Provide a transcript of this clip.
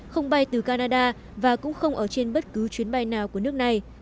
không bay từ canada và cũng không ở trên bất cứ chuyến bay nào của nước này